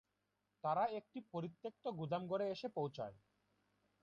তারা একটি পরিত্যাক্ত গুদাম ঘরে এসে পৌঁছায়।